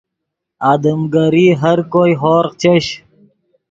آدم گری ہر کوئے ہورغ چش